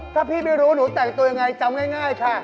ถ้าพี่ไม่รู้หนูแต่งตัวยังไงจำง่ายค่ะ